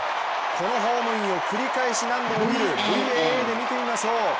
このホームインを繰り返し何度も見るＶＡＡで見てみましょう。